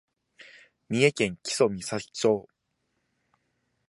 三重県木曽岬町